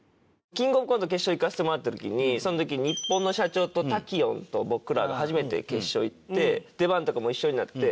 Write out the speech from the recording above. キングオブコント決勝行かせてもらった時にその時ニッポンの社長と滝音と僕らが初めて決勝行って出番とかも一緒になって。